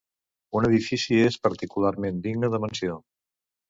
Un edifici és particularment digne de menció.